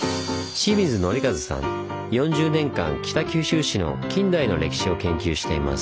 ４０年間北九州市の近代の歴史を研究しています。